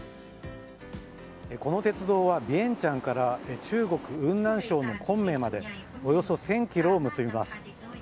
この鉄道はビエンチャンから中国雲南省昆明までおよそ１０００ｋｍを結びます。